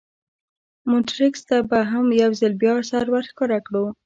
مونټریکس ته به هم یو ځل بیا سر ور ښکاره کړو.